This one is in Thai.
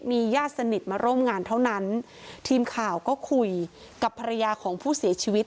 มีญาติสนิทมาร่วมงานเท่านั้นทีมข่าวก็คุยกับภรรยาของผู้เสียชีวิต